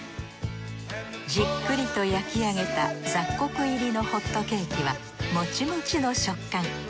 じっくりと焼き上げた雑穀入りのホットケーキはモチモチの食感。